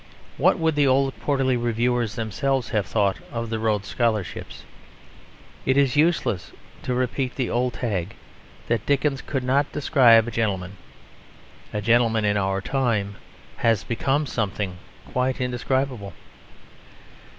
What would the old Quarterly Reviewers themselves have thought of the Rhodes Scholarships? It is useless to repeat the old tag that Dickens could not describe a gentleman. A gentleman in our time has become something quite indescribable.